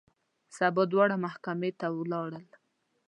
سبا دواړه محکمې ته ولاړل.